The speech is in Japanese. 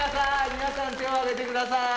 皆さん手を上げてください